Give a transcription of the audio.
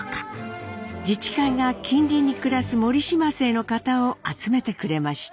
自治会が近隣に暮らす「もりしま」姓の方を集めてくれました。